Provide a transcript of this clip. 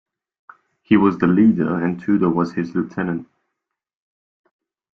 He was the leader, and Tudor was his lieutenant.